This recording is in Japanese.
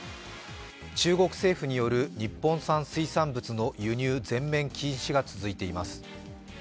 中国政府による日本産水産物の輸入全面禁止が続いています。